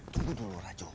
tunggu dulu rajo